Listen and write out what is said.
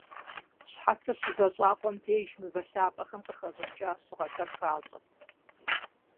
Щхьэцыр щызэщӀакъуэм деж мывэ лъапӀэхэм къыхэщӀыкӀа щыгъэхэр хащӀэрт.